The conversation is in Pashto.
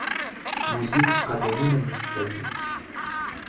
موزیک قدمونه مستوي.